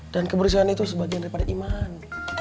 dan kebersihan itu sebagian daripada iman